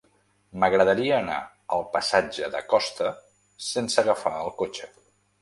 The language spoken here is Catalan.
M'agradaria anar al passatge de Costa sense agafar el cotxe.